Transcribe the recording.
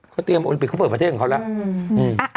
เขาเตรียมโอลิปิกเขาเปิดประเทศของเขาแล้ว